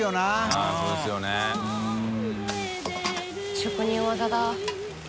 職人技だ。